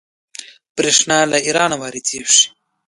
بریښنا له ایران واردوي